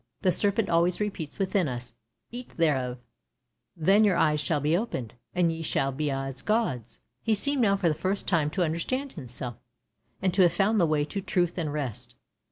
The serpent always repeats within us, " Eat thereof ; then your eyes shall be opened, and ye shall be as gods !" He seemed now for the first time to understand himself, and to have found the way to truth and rest.